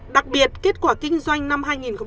đặc biệt kết quả kinh doanh năm hai nghìn hai mươi